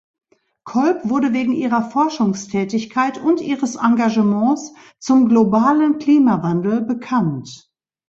Kolb wurde wegen ihrer Forschungstätigkeit und ihres Engagements zum globalen Klimawandel bekannt.